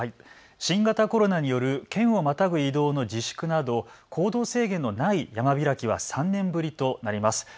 新型コロナによる県をまたぐ移動の自粛など行動制限のない山開きは３年ぶりとなります。